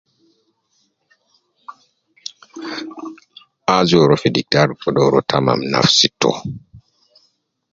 Aju uwo rua fi diktar kede uwo rua tamam nafsi to